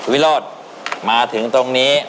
วิโรธมาถึงตรงนี้